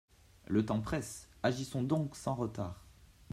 Le temps presse, agissons donc sans retard.